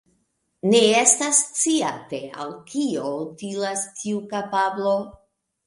Ne estas sciate, al kio utilas tiu kapablo.